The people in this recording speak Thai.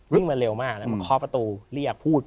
มาเร็วมากแล้วมาเคาะประตูเรียกพูด